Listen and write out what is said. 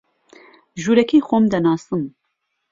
ژوورەکەی خۆم دەناسم